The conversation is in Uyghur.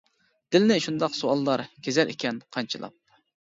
دىلنى شۇنداق سوئاللار، كېزەر ئىكەن قانچىلاپ.